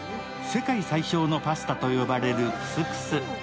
世界最小のパスタと呼ばれるクスクス。